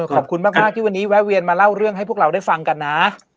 ขอบคุณมากที่วันนี้แวะเวียนมาเล่าเรื่องให้พวกเราได้ฟังกันนะ